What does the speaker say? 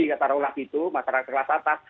katakanlah itu masyarakat kelas atas